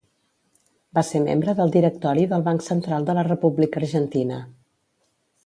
Va ser membre del directori del Banc Central de la República Argentina.